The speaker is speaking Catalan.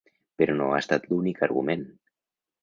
Però no ha estat l’únic argument.